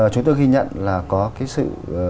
chúng tôi ghi nhận là có cái sự